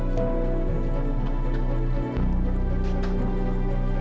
saya hanya perlu catur belakang